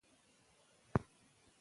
موږ د خپلې ژبې د بډاینې لپاره کار کوو.